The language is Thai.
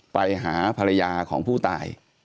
ไปหาภรรยาของผู้ตาย